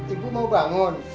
ibu mau bangun